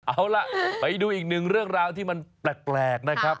เอาล่ะไปดูอีกหนึ่งเรื่องราวที่มันแปลกนะครับ